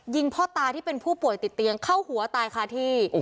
พ่อตาที่เป็นผู้ป่วยติดเตียงเข้าหัวตายคาที่